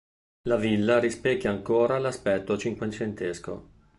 La villa rispecchia ancora l'aspetto cinquecentesco.